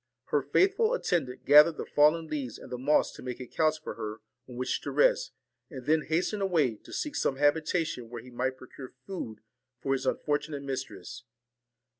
Her faithful attendant gathered the fallen leaves and the moss to make a couch for her on which to rest, and then hastened away, to seek some habitation where he might procure food for his unfortunate mistress.